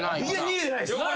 逃げてないです。